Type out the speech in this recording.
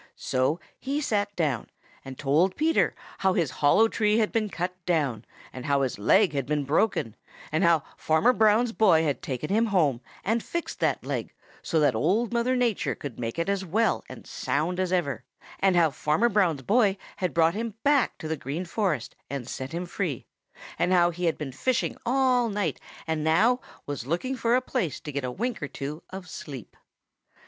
So he sat down and told Peter how his hollow tree had been cut down, and how his leg had been broken, and how Farmer Brown's boy had taken him home and fixed that leg so that Old Mother Nature could make it as well and sound as ever, and how Farmer Brown's boy had brought him back to the Green Forest and set him free, and how he had been fishing all night and now was looking for a place to get a wink or two of sleep.